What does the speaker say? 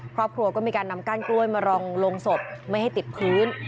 ครอบครัวก็มีการนำก้านกล้วยมารองลงศพไม่ให้ติดพื้น